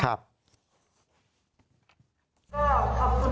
ก็ขอบคุณน้องนะคะที่เป็นบทเรียนก็ถือว่าเป็นบทเรียนของมนตร์แล้วกัน